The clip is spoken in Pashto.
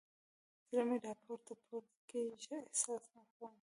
زړه مې راپورته پورته کېږي؛ ښه احساس نه کوم.